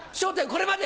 これまで！